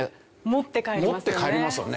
持って帰りますね。